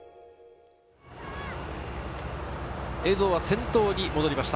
映像は先頭に戻りました。